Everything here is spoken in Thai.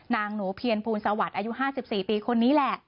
นางหนูเพียรภูลสวัสดิ์อายุ๕๔ปีคนนี้แหละ